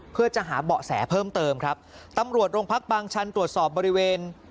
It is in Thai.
เพื่อจะหาเบาะแสเพิ่มเติมครับตำรวจโรงพักบางชันตรวจสอบบริเวณ